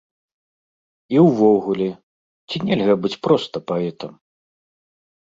І ўвогуле, ці нельга быць проста паэтам?